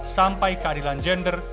sampai keadilan gender